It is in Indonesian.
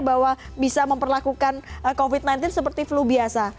bahwa bisa memperlakukan covid sembilan belas seperti flu biasa